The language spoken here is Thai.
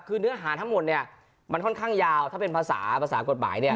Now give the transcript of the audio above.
คือเนื้อหาทั้งหมดเนี่ยมันค่อนข้างยาวถ้าเป็นภาษาภาษากฎหมายเนี่ย